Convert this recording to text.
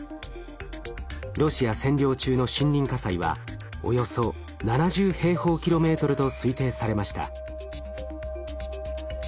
ロシア占領中の森林火災はおよそ７０平方キロメートルと推定されました。